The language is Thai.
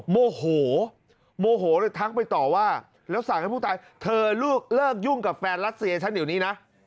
โมโหโมโหเลยทักไปต่อว่าแล้วสั่งให้ผู้ตายเธอเลิกยุ่งกับแฟนรัสเซียฉันเดี๋ยวนี้นะ